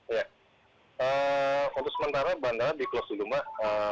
iya untuk sementara bandara di klos dulu mbak